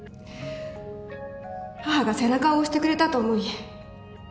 母が背中を押してくれたと思い